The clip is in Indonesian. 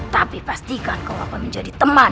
tapi pastikan kau akan menjadi teman